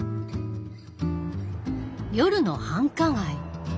夜の繁華街。